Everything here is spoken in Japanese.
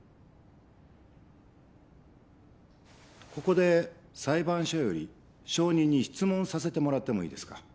ここで裁判所より証人に質問させてもらってもいいですか？